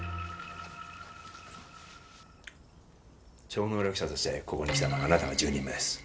超能力者としてここに来たのはあなたが１０人目です。